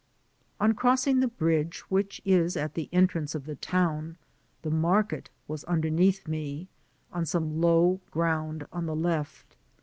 185 On crossing the bridge, which is at the entrance of tlie town, the market was underneath me, on some low ground on the left.